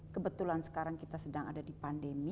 kebetulan sekarang kita sedang ada di pandemi